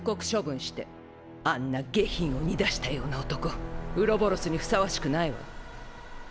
あんな下品を煮出したような男ウロボロスにふさわしくないわ。